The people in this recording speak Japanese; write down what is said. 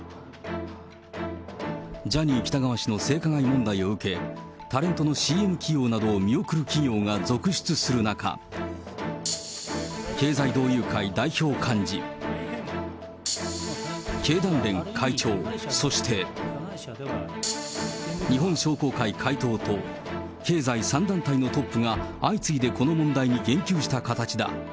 ジャニー喜多川氏の性加害問題を受け、タレントのＣＭ起用などを見送る企業が続出する中、経済同友会代表幹事、経団連会長、そして、日本商工会会頭と、経済３団体のトップが相次いでこの問題に言及した形だ。